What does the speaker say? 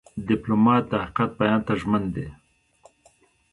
ډيپلومات د حقیقت بیان ته ژمن دی.